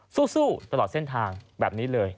สู้ตลอดเส้นทางแบบนี้เลย